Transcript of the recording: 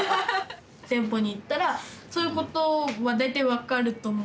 店舗に行ったらそういうことは大体分かると思うんですよ。